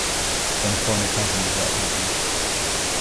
Seine Freunde kannten diese Abmachung.